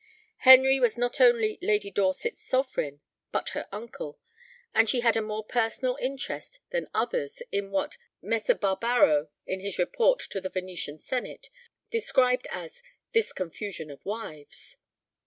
Henry was not only Lady Dorset's sovereign, but her uncle, and she had a more personal interest than others in what Messer Barbaro, in his report to the Venetian senate, described as "this confusion of wives."